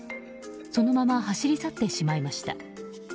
そのまま走り去ってしまいました。